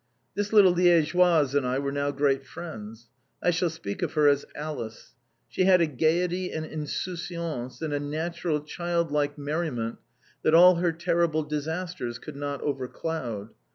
This little Liègeoise and I were now great friends; I shall speak of her as Alice. She had a gaiety and insouciance, and a natural childlike merriment that all her terrible disasters could not overcloud.